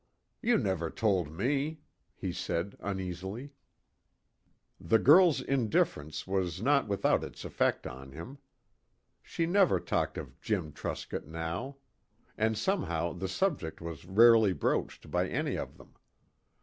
"You never told me," he said uneasily. The girl's indifference was not without its effect on him. She never talked of Jim Truscott now. And somehow the subject was rarely broached by any of them.